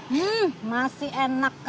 hmm masih enak